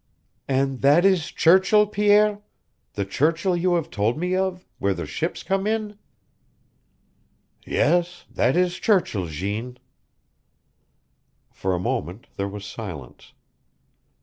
"And that is Churchill, Pierre the Churchill you have told me of, where the ships come in?" "Yes, that is Churchill, Jeanne." For a moment there was silence.